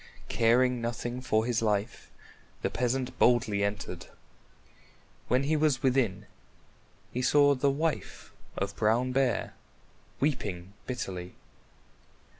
Caring nothing for his life, the peasant boldly entered. When he was within, he saw the wife of Brown Bear weeping bitterly.